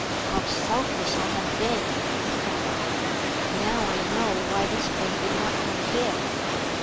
"How selfish I have been!" he said; "now I know why the Spring would not come here.